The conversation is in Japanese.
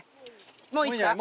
もういいっすか？